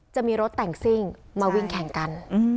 จะมีรถแต่งซิ่งมาวิ่งแข่งกัน